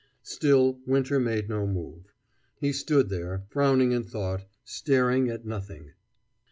Still Winter made no move. He stood there, frowning in thought, staring at nothing.